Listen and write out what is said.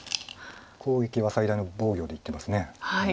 攻撃は最大の防御でいってます。